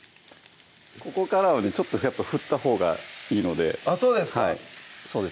ここからはねちょっと振ったほうがいいのであっそうですかはいそうです